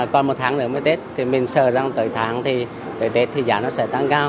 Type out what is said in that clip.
còn một tháng nữa mới tết thì mình sợ rằng tới tháng thì tới tết thì giá nó sẽ tăng cao